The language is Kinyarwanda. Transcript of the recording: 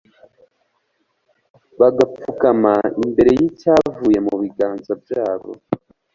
bagapfukama imbere y'icyavuye mu biganza byabo